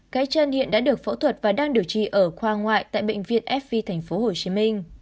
cái chân hiện đã được phẫu thuật và đang điều trị ở khoa ngoại tại bệnh viện fv tp hcm